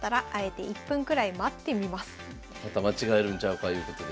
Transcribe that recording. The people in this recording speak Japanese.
また間違えるんちゃうかいうことで。